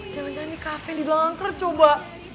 jangan jangan ini cafe di blanker coba